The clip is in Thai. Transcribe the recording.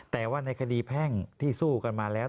แต่ว่าในคดีแพ่งที่สู้กันมาแล้ว